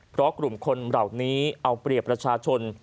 เพราะกลุ่มคนเหล่านี้เอาเปรียบประชาชน